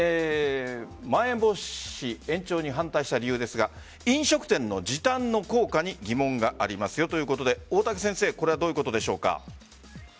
まん延防止延長に反対した理由ですが飲食店の時短の効果に疑問がありますよということでこれはどういうことでしょうか？